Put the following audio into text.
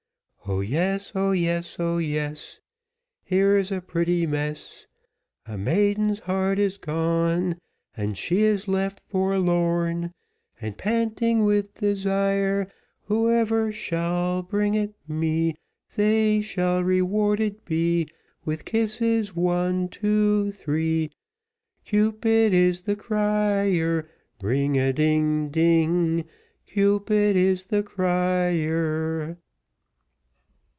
O yes! O yes! O yes! Here is a pretty mess! A maiden's heart is gone, And she is left forlorn, And panting with desire; Whoever shall bring it me, They shall rewarded be. With kisses one, two, three. Cupid is the crier, Ring a ding, a ding, Cupid is the crier.